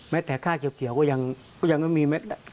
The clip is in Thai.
แม้แต่ค่าเกี่ยวก็ยังไม่มี